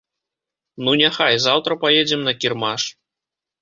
Ну няхай, заўтра паедзем на кірмаш.